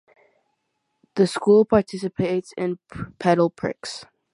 The school participates in Pedal prix.